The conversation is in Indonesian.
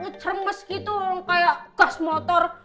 ngecermes gitu kayak gas motor